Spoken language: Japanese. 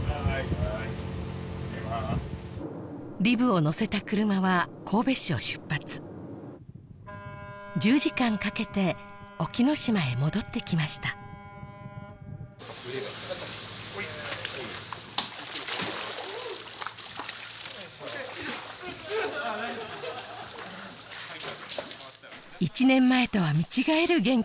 ばーいリブを乗せた車は神戸市を出発１０時間かけて隠岐の島へ戻ってきました腕がほいよいしょ１年前とは見違える元気さです